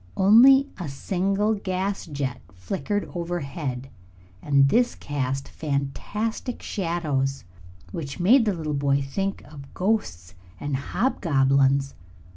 Only a single gas jet flickered overhead, and this cast fantastic shadows which made the little boy think of ghosts and hobgoblins.